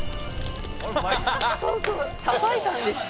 「そうそうさばいたんでした」